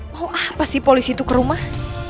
wow apa sih polisi itu ke rumah